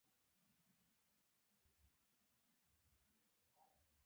هغوی د هوا په خوا کې تیرو یادونو خبرې کړې.